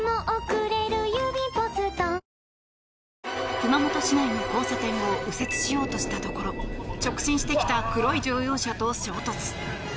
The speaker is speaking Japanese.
熊本市内の交差点を右折しようとしたところ直進してきた黒い乗用車と衝突。